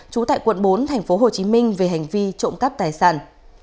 trú tại quận bốn tp hồ chí minh về hành vi trộm cắp tài sản